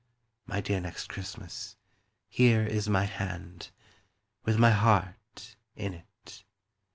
My dear Next Christmas, Here is my hand, With my heart in it.